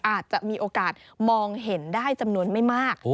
อาจจะมีโอกาสมองเห็นได้จำนวนไม่มาก